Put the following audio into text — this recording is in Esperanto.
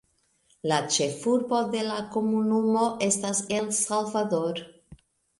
La ĉefurbo de la komunumo estas El Salvador.